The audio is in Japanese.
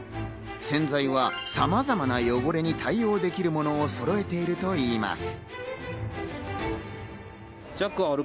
洗剤はさまざまな汚れに対応できるものをそろえているといいます。